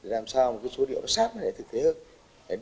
làm sao mà cái số điệu nó sát này thực thể hơn